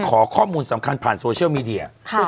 ขอข้อมูลสำคัญผ่านโซเชียลมีเดีย